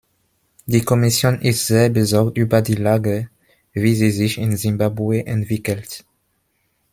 Die Kommission ist sehr besorgt über die Lage, wie sie sich in Simbabwe entwickelt.